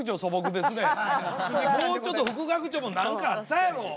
もうちょっと副学長も何かあったやろ！